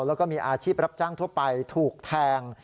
แล้วก็มีอาชีพรับจ้างทั่วไปถูกแทง